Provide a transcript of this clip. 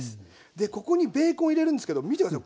でここにベーコン入れるんですけど見て下さい。